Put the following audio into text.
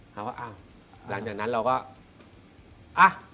หลังจากนั้นเราก็